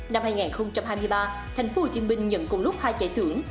năm hai nghìn hai mươi ba thành phố hồ chí minh nhận cùng lúc hai giải thưởng